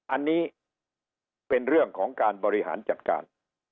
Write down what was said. อันนี้เป็นเรื่องของการบริหารจัดการ